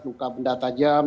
luka benda tajam